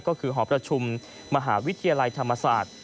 ก็คือหอประชุมมหาวิทยาลัยธรรมศาสตร์